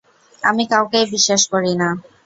আমি কাউকেই বিশ্বাস করিনা।